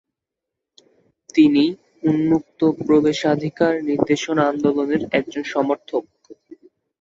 তিনি উন্মুক্ত প্রবেশাধিকার নির্দেশনা আন্দোলনের একজন সমর্থক।